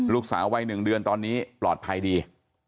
ลูกสาววัย๑เดือนตอนนี้ปลอดภัยดี